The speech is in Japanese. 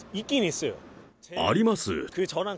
あります。